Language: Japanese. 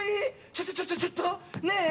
ちょっとちょっとちょっとねえ